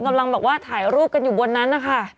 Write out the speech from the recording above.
กำลังแบบว่าถ่ายรูปกันอยู่บนนั้นนะคะ